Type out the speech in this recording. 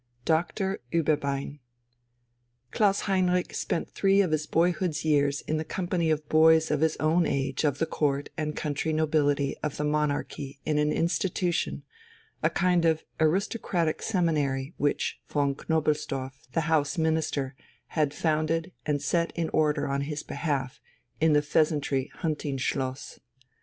IV DOCTOR UEBERBEIN Klaus Heinrich spent three of his boyhood's years in the company of boys of his own age of the Court and country nobility of the monarchy in an institution, a kind of aristocratic seminary, which von Knobelsdorff, the House Minister, had founded and set in order on his behalf in the "Pheasantry" hunting schloss.